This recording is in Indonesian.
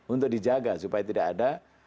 untuk dijaga supaya tidak ada